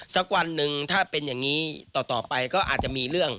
สักวันหนึ่งถ้าเป็นอย่างนี้ต่อไปก็อาจจะมีเรื่อง